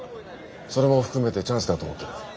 それも含めてチャンスだと思ってる。